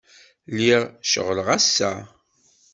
Lliɣ ceɣleɣ ass-a.